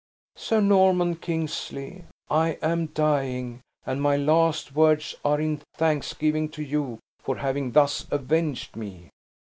"Sir Norman Kingsley, I am dying, and my last words are in thanksgiving to you for having thus avenged me!"